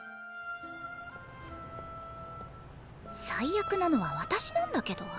最悪なのは私なんだけど。